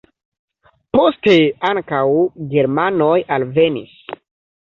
Poste ankaŭ germanoj alvenis.